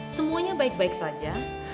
semuanya baik baik saja